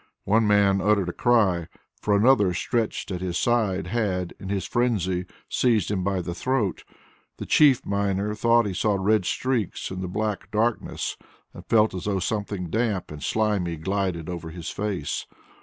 One man uttered a cry, for another stretched at his side, had, in his frenzy, seized him by the throat. The chief miner thought he saw red streaks in the black darkness and felt as though something damp and slimy glided over his face.